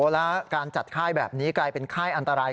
แล้วการจัดค่ายแบบนี้กลายเป็นค่ายอันตราย